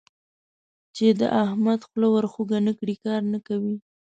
چې د احمد خوله ور خوږه نه کړې؛ کار نه کوي.